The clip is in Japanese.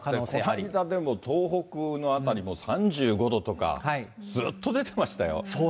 この間でも東北の辺りも３５度とか、ずっと出てましたよ。